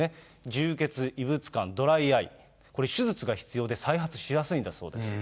充血、異物感、ドライアイ、これ、手術が必要で、再発しやすいんだそうです。